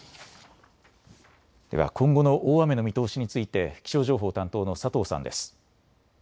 では今後の大雨の見通しについて気象情報担当の佐藤さんです。